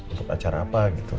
untuk acara apa gitu